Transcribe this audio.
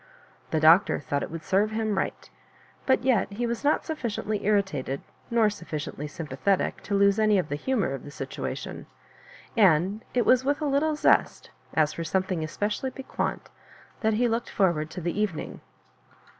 The Doctor thought it would serve him right, but yet he was not sufficiently irritated nor sufficiently sympathetic to lose any of the hu mour of the situation ; and it was with a little zest, as for something especialiy piquant, that he looked forward to the evening.